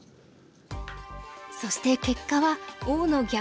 そして結果は王の逆転勝ち。